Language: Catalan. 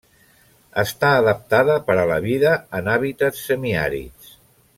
Està adaptada per a la vida en hàbitats semiàrids.